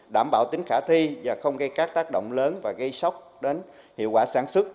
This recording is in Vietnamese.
đảm bảo tính khả thi và không gây các tác động lớn và gây sốc đến hiệu quả sản xuất